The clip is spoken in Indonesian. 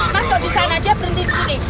masuk di sana aja berhenti di sini